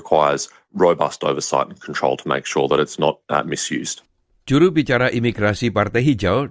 jurubicara imigrasi partai hijau david k kuhar berkata